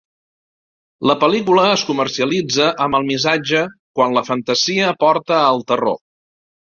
La pel.lícula es comercialitza amb el missatge "quan la fantasia porta al terror".